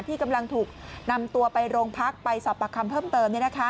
ที่กำลังถูกนำตัวไปโรงพักไปสอบปากคำเพิ่มเติม